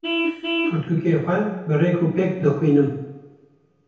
Pirtûkên xwe bi rêk û pêk dixwînim.